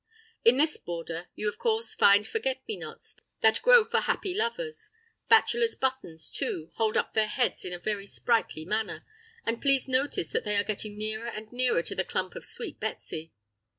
In this border you of course find forget me nots "that grow for happy lovers"; bachelor's buttons, too, hold up their heads in a very sprightly manner, and please notice that they are getting nearer and nearer to the clump of Sweet Betsy.